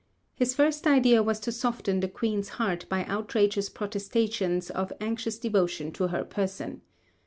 His first idea was to soften the Queen's heart by outrageous protestations of anxious devotion to her person.